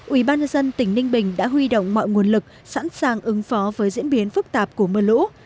ubnd tỉnh ninh bình đã huy động mọi nguồn lực sẵn sàng ứng phó với diễn biến phức tạp của mưa lũ